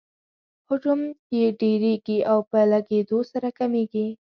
حجم یې ډیریږي او په لږیدو سره کمیږي.